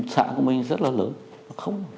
xã của mình rất là lớn